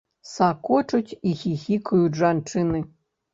Сакочуць і хіхікаюць жанчыны.